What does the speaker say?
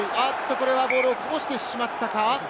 これはボールをこぼしてしまったか？